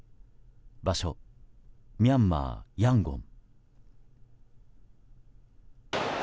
場所、ミャンマー・ヤンゴン。